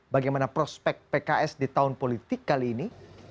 bagaimana prospek pks di tahun politik kali ini